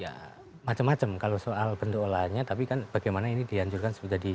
ya macam macam kalau soal bentuk olahannya tapi kan bagaimana ini dianjurkan sudah di